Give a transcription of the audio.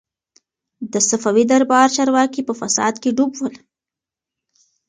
د صفوي دربار چارواکي په فساد کي ډوب ول.